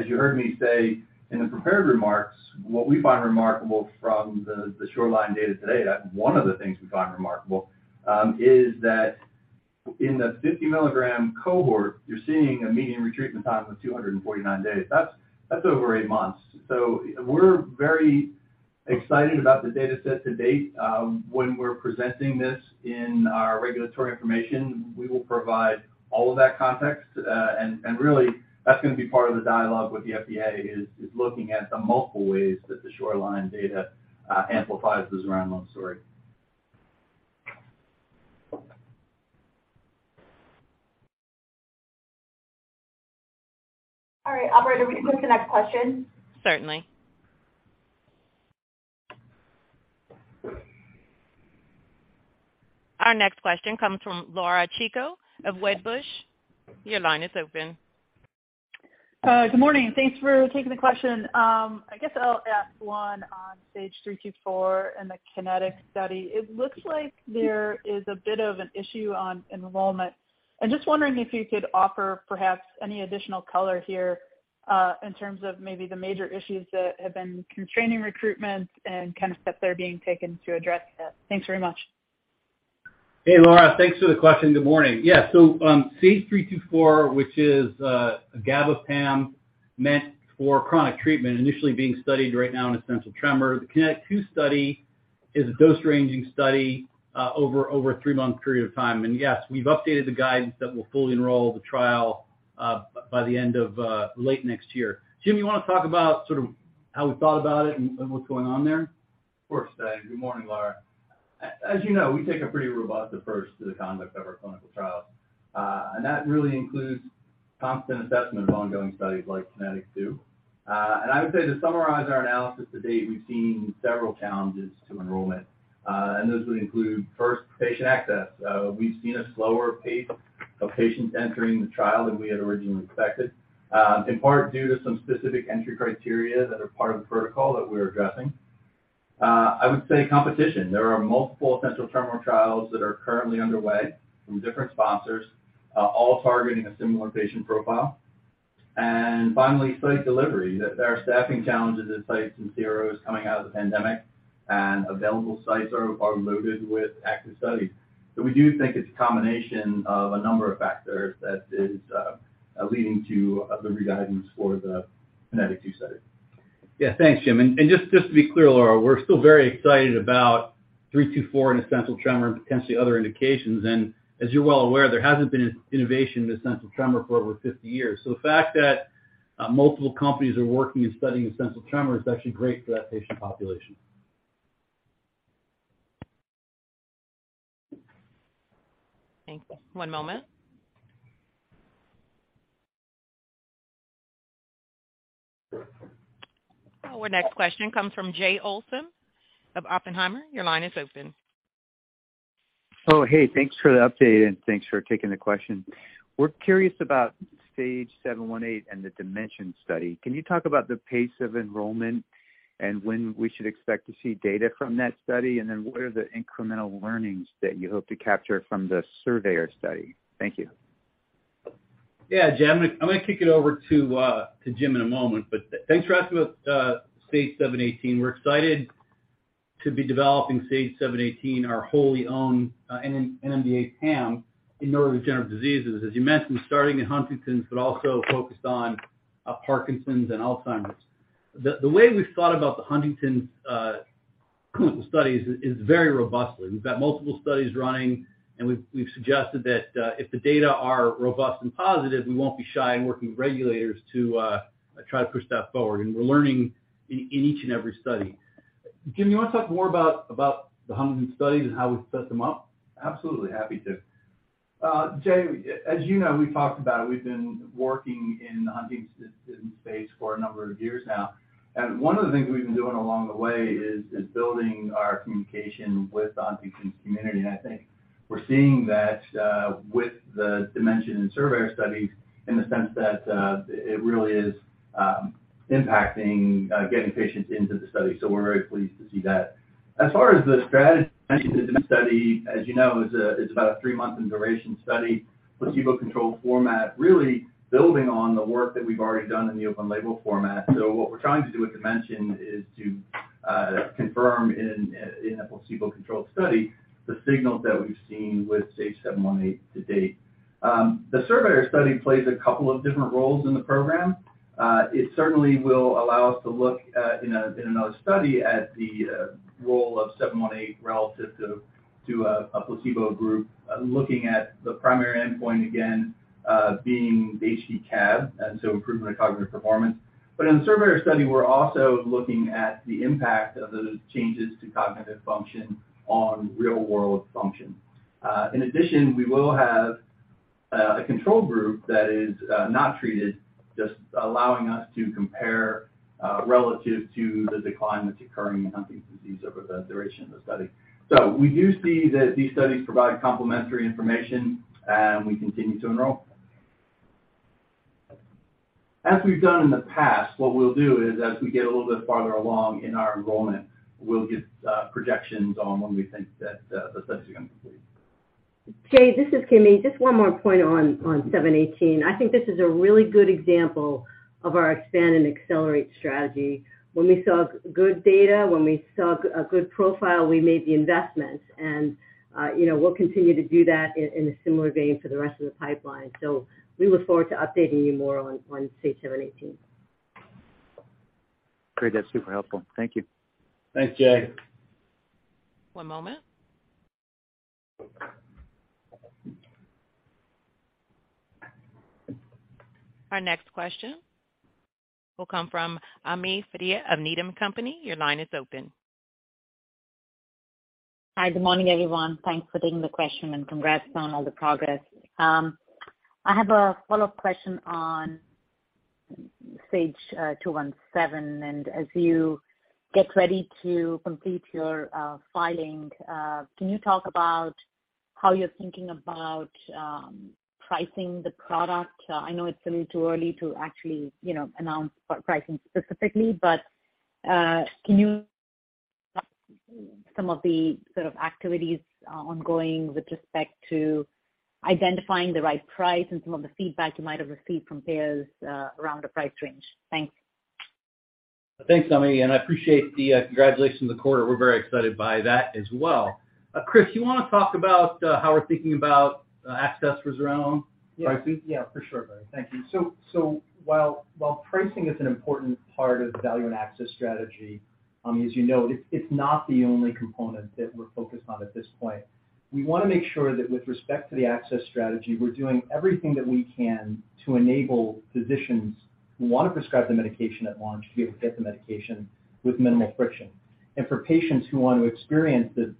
you heard me say in the prepared remarks, what we find remarkable from the SHORELINE data today, one of the things we find remarkable, is that in the 50 milligram cohort, you're seeing a median retreatment time of 249 days. That's over eight months. We're very excited about the data set to date. When we're presenting this in our regulatory information, we will provide all of that context. Really that's going to be part of the dialogue with the FDA is looking at the multiple ways that the SHORELINE data amplifies the zuranolone story. All right. Operator, can we take the next question? Certainly. Our next question comes from Laura Chico of Wedbush. Your line is open. Good morning. Thanks for taking the question. I guess I'll ask one on SAGE-324 and the Kinetic study. It looks like there is a bit of an issue on enrollment. I'm just wondering if you could offer perhaps any additional color here in terms of maybe the major issues that have been constraining recruitment and kind of steps that are being taken to address that. Thanks very much. Hey, Laura. Thanks for the question. Good morning. SAGE-324, which is gabapen meant for chronic treatment, initially being studied right now in essential tremor. The Kinetic 2 study is a dose-ranging study over a three-month period of time. Yes, we've updated the guidance that we'll fully enroll the trial by the end of late next year. Jim, you want to talk about sort of how we thought about it and what's going on there? Of course, Barry. Good morning, Laura. As you know, we take a pretty robust approach to the conduct of our clinical trials. That really includes constant assessment of ongoing studies like KINETIC 2. I would say to summarize our analysis to date, we've seen several challenges to enrollment. Those would include, first, patient access. We've seen a slower pace of patients entering the trial than we had originally expected, in part due to some specific entry criteria that are part of the protocol that we're addressing. I would say competition. There are multiple essential tremor trials that are currently underway from different sponsors, all targeting a similar patient profile. Finally, site delivery. There are staffing challenges at sites and CROs coming out of the pandemic, and available sites are loaded with active studies. We do think it's a combination of a number of factors that is leading to the revisions for the KINETIC 2 study. Thanks, Jim. Just to be clear, Laura, we're still very excited about SAGE-324 in essential tremor and potentially other indications. As you're well aware, there hasn't been innovation in essential tremor for over 50 years. The fact that multiple companies are working and studying essential tremor is actually great for that patient population. Thanks. One moment. Our next question comes from Jay Olson of Oppenheimer. Your line is open. Oh, hey. Thanks for the update. Thanks for taking the question. We're curious about SAGE-718 and the DIMENSION study. Can you talk about the pace of enrollment and when we should expect to see data from that study? What are the incremental learnings that you hope to capture from the SURVEYOR study? Thank you. Yeah, Jay. I'm going to kick it over to Jim in a moment. Thanks for asking about SAGE-718. We're excited to be developing SAGE-718, our wholly owned NMDA-PAM in neurodegenerative diseases. As you mentioned, starting in Huntington's, also focused on Parkinson's and Alzheimer's. The way we've thought about the Huntington's clinical studies is very robustly. We've got multiple studies running. We've suggested that if the data are robust and positive, we won't be shy in working with regulators to try to push that forward. We're learning in each and every study. Jim, you want to talk more about the Huntington's studies and how we've set them up? Absolutely. Happy to. Jay, as you know, we've talked about it. We've been working in the Huntington's disease space for a number of years now. One of the things we've been doing along the way is building our communication with the Huntington's community. I think we're seeing that with the DIMENSION in SURVEYOR studies in the sense that it really is impacting getting patients into the study. We're very pleased to see that. As far as the strategy study, as you know, it's about a three-month in duration study, placebo-controlled format, really building on the work that we've already done in the open label format. What we're trying to do with DIMENSION is to confirm in a placebo-controlled study the signals that we've seen with SAGE-718 to date. The SURVEYOR study plays a couple of different roles in the program. It certainly will allow us to look in another study at the role of 718 relative to a placebo group, looking at the primary endpoint, again, being the HD-CAB, improvement of cognitive performance. In the SURVEYOR study, we're also looking at the impact of those changes to cognitive function on real-world function. In addition, we will have a control group that is not treated, just allowing us to compare relative to the decline that's occurring in Huntington's disease over the duration of the study. We do see that these studies provide complementary information. We continue to enroll. As we've done in the past, what we'll do is as we get a little bit farther along in our enrollment, we'll give projections on when we think that the study's going to complete. Jay, this is Kimi. Just one more point on SAGE-718. I think this is a really good example of our expand and accelerate strategy. When we saw good data, when we saw a good profile, we made the investments. We'll continue to do that in a similar vein for the rest of the pipeline. We look forward to updating you more on SAGE-718. Great. That's super helpful. Thank you. Thanks, Jay. One moment. Our next question will come from Ami Fadia of Needham & Company. Your line is open. Hi. Good morning, everyone. Thanks for taking the question and congrats on all the progress. I have a follow-up question on SAGE-217. As you get ready to complete your filing, can you talk about how you're thinking about pricing the product? I know it's a little too early to actually announce pricing specifically, but can you talk some of the sort of activities ongoing with respect to identifying the right price and some of the feedback you might have received from payers around a price range? Thanks. Thanks, Ami. I appreciate the congratulations on the quarter. We're very excited by that as well. Chris, you want to talk about how we're thinking about access for zuranolone pricing? Yeah, for sure. Thank you. While pricing is an important part of the value and access strategy, Ami, as you know, it's not the only component that we're focused on at this point. We want to make sure that with respect to the access strategy, we're doing everything that we can to enable physicians who want to prescribe the medication at launch to be able to get the medication with minimal friction. For patients who want to experience the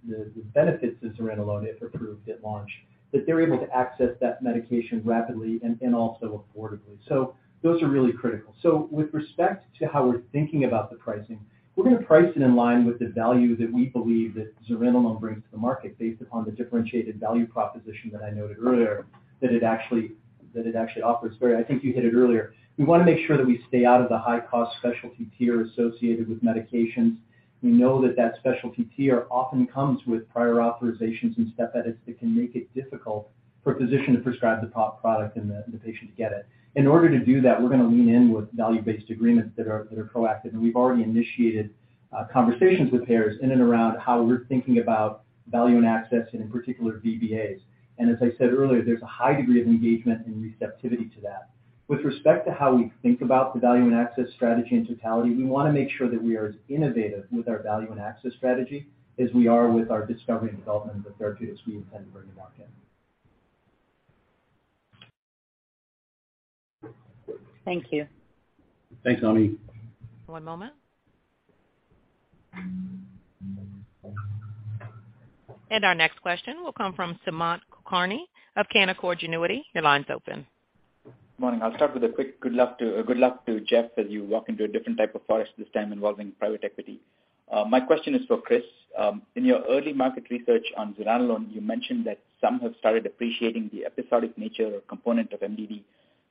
benefits of zuranolone, if approved at launch, they're able to access that medication rapidly and also affordably. Those are really critical. With respect to how we're thinking about the pricing, we're going to price it in line with the value that we believe that zuranolone brings to the market based upon the differentiated value proposition that I noted earlier that it actually offers. Barry, I think you hit it earlier. We want to make sure that we stay out of the high-cost specialty tier associated with medications. We know that that specialty tier often comes with prior authorizations and step edits that can make it difficult for a physician to prescribe the product and the patient to get it. In order to do that, we're going to lean in with Value-Based Agreements that are proactive. We've already initiated conversations with payers in and around how we're thinking about value and access, and in particular, VBAs. As I said earlier, there's a high degree of engagement and receptivity to that. With respect to how we think about the value and access strategy in totality, we want to make sure that we are as innovative with our value and access strategy as we are with our discovery and development of the therapeutics we intend to bring to market. Thank you. Thanks, Ami. One moment. Our next question will come from Sumant Kulkarni of Canaccord Genuity. Your line's open. Morning. I'll start with a quick good luck to Jeff as you walk into a different type of forest, this time involving private equity. My question is for Chris. In your early market research on zuranolone, you mentioned that some have started appreciating the episodic nature or component of MDD. Do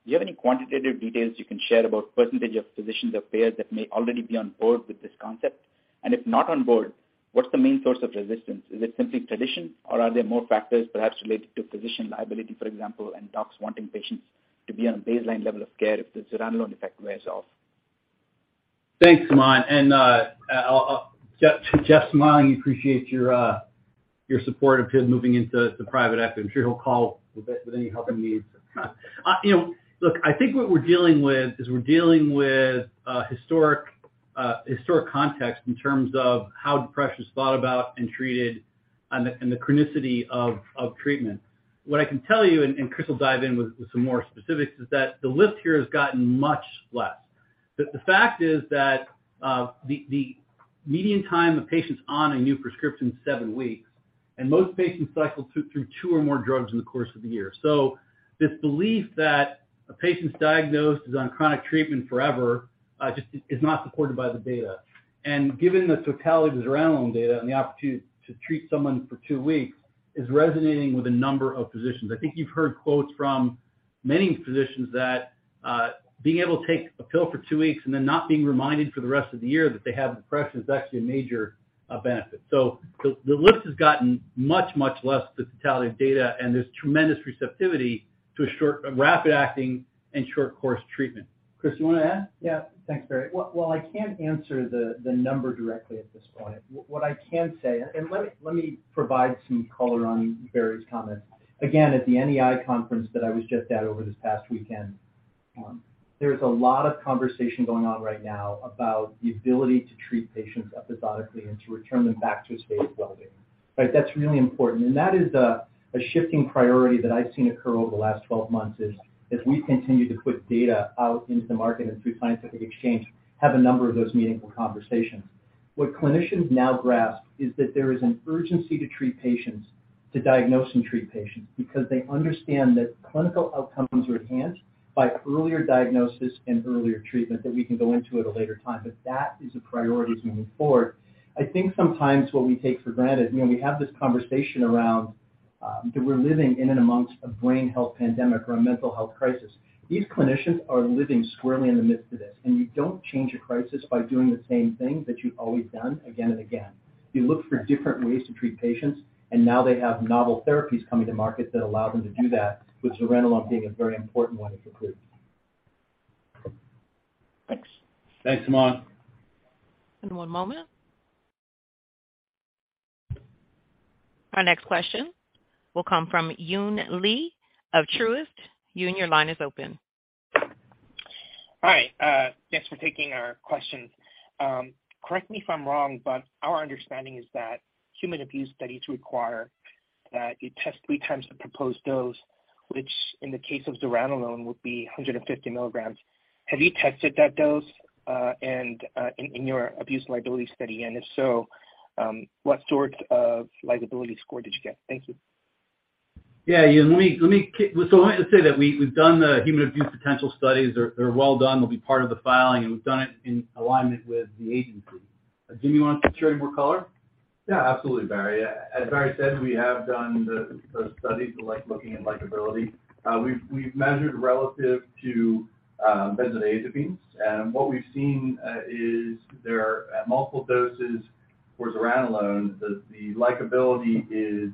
you have any quantitative details you can share about % of physicians or payers that may already be on board with this concept? If not on board, what's the main source of resistance? Is it simply tradition, or are there more factors perhaps related to physician liability, for example, and docs wanting patients to be on a baseline level of care if the zuranolone effect wears off? Thanks, Sumant. To Jeff, Sumant, we appreciate your support of him moving into private equity. I'm sure he'll call with any help or needs. Look, I think what we're dealing with is we're dealing with historic context in terms of how depression is thought about and treated and the chronicity of treatment. What I can tell you, and Chris will dive in with some more specifics, is that the lift here has gotten much less. The fact is that the median time a patient's on a new prescription is seven weeks, and most patients cycle through two or more drugs in the course of the year. This belief that a patient's diagnosed, is on chronic treatment forever, just is not supported by the data. Given the totality of the zuranolone data and the opportunity to treat someone for two weeks is resonating with a number of physicians. I think you've heard quotes from many physicians that being able to take a pill for two weeks and then not being reminded for the rest of the year that they have depression is actually a major benefit. The lift has gotten much, much less with the totality of data, and there's tremendous receptivity to a rapid-acting and short-course treatment. Chris, you want to add? Yeah. Thanks, Barry. While I can't answer the number directly at this point, what I can say, let me provide some color on Barry's comments. Again, at the NEI conference that I was just at over this past weekend, there's a lot of conversation going on right now about the ability to treat patients episodically and to return them back to a state of wellbeing. That's really important. That is a shifting priority that I've seen occur over the last 12 months, as we continue to put data out into the market and through scientific exchange, have a number of those meaningful conversations. What clinicians now grasp is that there is an urgency to treat patients, to diagnose and treat patients, because they understand that clinical outcomes are enhanced by earlier diagnosis and earlier treatment that we can go into at a later time. That is a priority as we move forward. I think sometimes what we take for granted, we have this conversation around that we're living in and amongst a brain health pandemic or a mental health crisis. These clinicians are living squarely in the midst of this, and you don't change a crisis by doing the same thing that you've always done again and again. You look for different ways to treat patients, and now they have novel therapies coming to market that allow them to do that, with zuranolone being a very important one, if approved. Thanks. Thanks, Sumant. One moment. Our next question will come from Joon Lee of Truist. Joon, your line is open. Hi. Thanks for taking our questions. Correct me if I'm wrong, but our understanding is that human abuse studies require that you test 3 times the proposed dose, which in the case of zuranolone, would be 150 milligrams. Have you tested that dose in your abuse liability study? And if so, what sort of liability score did you get? Thank you. Joon. I wanted to say that we've done the human abuse potential studies. They're well done. They'll be part of the filing, and we've done it in alignment with the agency. Jim, you want to share any more color? Absolutely, Barry. As Barry said, we have done the studies looking at likability. We've measured relative to benzodiazepines, and what we've seen is there are at multiple doses for zuranolone, the likability is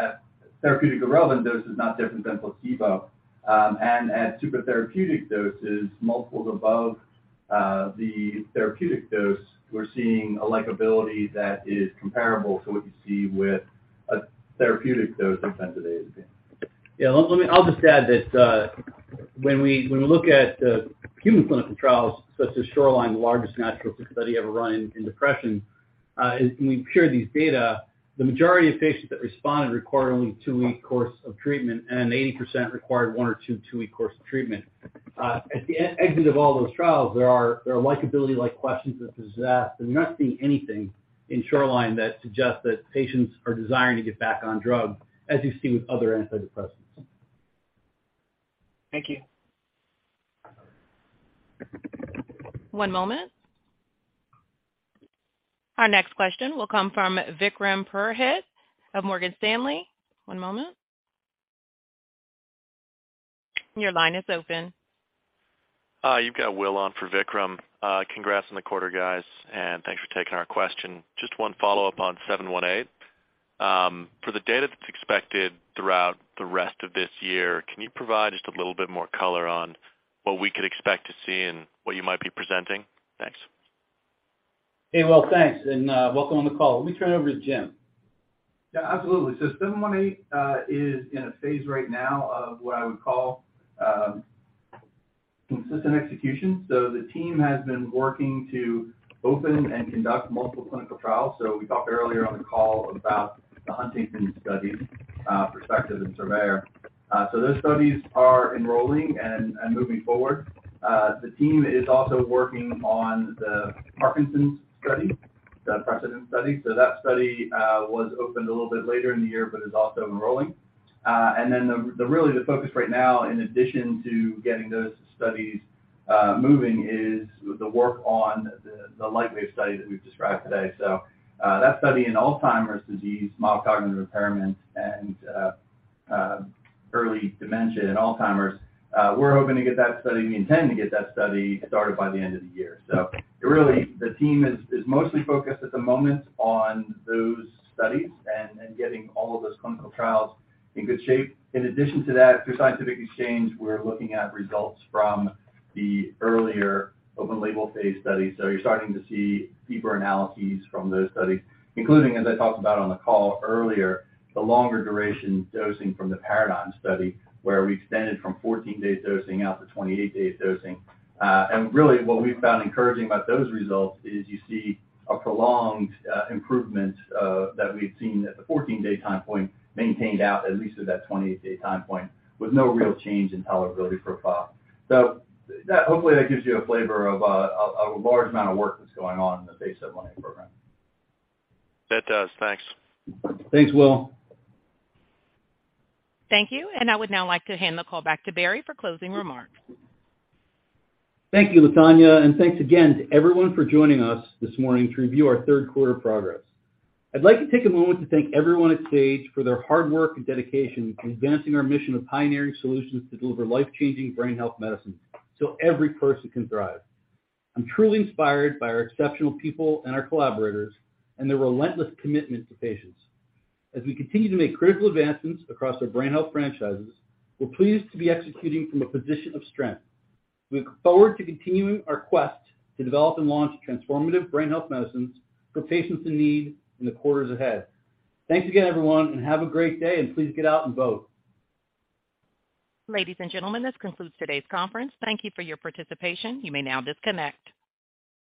at therapeutically relevant doses, not different than placebo. At supratherapeutic doses, multiples above the therapeutic dose, we're seeing a likability that is comparable to what you see with a therapeutic dose of benzodiazepine. I'll just add that when we look at the human clinical trials, such as SHORELINE, the largest naturalistic study ever run in depression, we pair these data, the majority of patients that responded required only a two-week course of treatment, and 80% required one or two two-week course of treatment. At the exit of all those trials, there are likability-like questions that are asked. We're not seeing anything in SHORELINE that suggests that patients are desiring to get back on drug, as you see with other antidepressants. Thank you. One moment. Our next question will come from Vikram Purohit of Morgan Stanley. One moment. Your line is open. You've got Will on for Vikram. Congrats on the quarter, guys. Thanks for taking our question. Just one follow-up on 718. For the data that's expected throughout the rest of this year, can you provide just a little bit more color on what we could expect to see and what you might be presenting? Thanks. Hey, Will. Thanks. Welcome on the call. Let me turn it over to Jim. Yeah, absolutely. 718 is in a phase right now of what I would call consistent execution. The team has been working to open and conduct multiple clinical trials. We talked earlier on the call about the Huntington's study, PERSPECTIVE and SURVEYOR. Those studies are enrolling and moving forward. The team is also working on the Parkinson's study, the PRECEDENT study. That study was opened a little bit later in the year, but is also enrolling. Really the focus right now, in addition to getting those studies moving, is the work on the LIGHTWAVE study that we've described today. That study in Alzheimer's disease, mild cognitive impairment, and early dementia in Alzheimer's, we're hoping to get that study, and we intend to get that study started by the end of the year. Really the team is mostly focused at the moment on those studies and getting all of those clinical trials in good shape. In addition to that, through scientific exchange, we're looking at results from the earlier open-label phase study. You're starting to see deeper analyses from those studies, including, as I talked about on the call earlier, the longer duration dosing from the PARADIGM study, where we extended from 14-day dosing out to 28-day dosing. Really what we found encouraging about those results is you see a prolonged improvement that we've seen at the 14-day time point maintained out at least to that 28-day time point with no real change in tolerability profile. Hopefully that gives you a flavor of a large amount of work that's going on in the base of SAGE-718 program. That does. Thanks. Thanks, Will. Thank you. I would now like to hand the call back to Barry for closing remarks. Thank you, Latonya, and thanks again to everyone for joining us this morning to review our third quarter progress. I'd like to take a moment to thank everyone at Sage for their hard work and dedication to advancing our mission of pioneering solutions to deliver life-changing brain health medicine so every person can thrive. I'm truly inspired by our exceptional people and our collaborators and their relentless commitment to patients. As we continue to make critical advancements across our brain health franchises, we're pleased to be executing from a position of strength. We look forward to continuing our quest to develop and launch transformative brain health medicines for patients in need in the quarters ahead. Thanks again, everyone, and have a great day, and please get out and vote. Ladies and gentlemen, this concludes today's conference. Thank you for your participation. You may now disconnect.